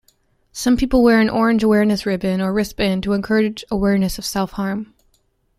Some people wear an orange awareness ribbon or wristband to encourage awareness of self-harm.